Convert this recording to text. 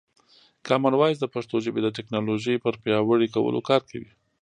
کامن وایس د پښتو ژبې د ټکنالوژۍ پر پیاوړي کولو کار کوي.